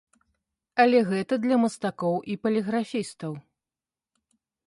Але гэта для мастакоў і паліграфістаў.